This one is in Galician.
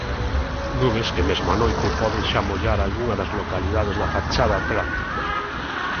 Nubes que mesmo á noite poden xa mollar algunha das localidades da fachada atlántica.